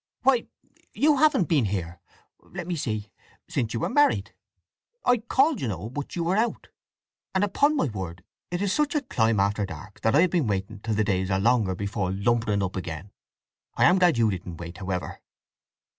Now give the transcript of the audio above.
"Why you haven't been here—let me see—since you were married? I called, you know, but you were out; and upon my word it is such a climb after dark that I have been waiting till the days are longer before lumpering up again. I am glad you didn't wait, however."